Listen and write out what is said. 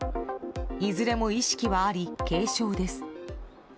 いずれも意識はあり軽症です。